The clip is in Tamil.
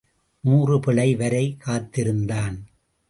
நூறு பிழை வரை காத்திருந்தான்.